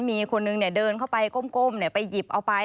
มีคนนึงเดินเข้าไปก้มไปหยิบเอาไป